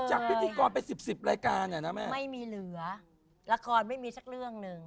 พิธีกรไปสิบสิบรายการอ่ะนะแม่ไม่มีเหลือละครไม่มีสักเรื่องหนึ่ง